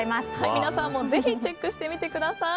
皆さんもぜひチェックしてみてください。